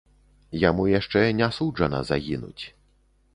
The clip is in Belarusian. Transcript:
Яму яшчэ не суджана загінуць.